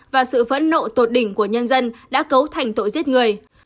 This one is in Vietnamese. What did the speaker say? và sự phẫn nộ tột đỉnh của nhân dân đã cấu thành tội giết người